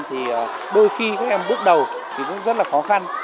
thì đôi khi các em bước đầu thì cũng rất là khó khăn